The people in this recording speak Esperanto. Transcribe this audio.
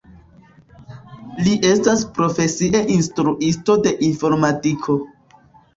Li estas profesie instruisto de informadiko.